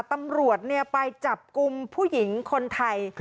ตำรวจไปจับกลุ่มผู้หญิงคนไทย